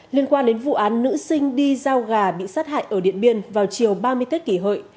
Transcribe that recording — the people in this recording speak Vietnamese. liên quan đến vụ án nữ sinh đi giao gà bị sát hại ở điện biên vào chiều ba mươi tết kỷ hợi